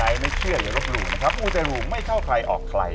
อย่ารบหลูมูเตรูไม่เข้าใครออกใคร